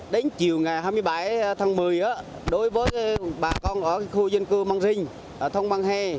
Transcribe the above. đến chiều ngày hai mươi bảy tháng một mươi đối với bà con ở khu dân cư mang rinh thông mang hê